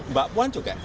mbak puan juga